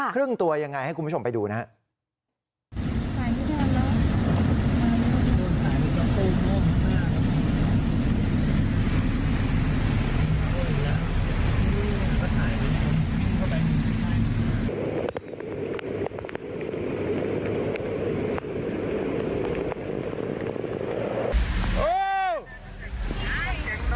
ครึ่งตัวยังไงให้คุณผู้ชมไปดูนะครับ